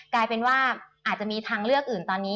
กลายเป็นว่าอาจจะมีทางเลือกอื่นตอนนี้